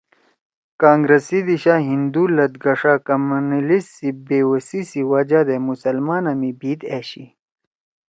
کانگرس سی دیِشا ہندو لَتگَݜا (Communalists) سی بےوَسی سی وجہ دے مسلمانا می بھیِت أشی